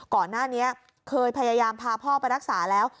ก่อนหน้านี้เคยพยายามพาพ่อไปรักษาแล้ว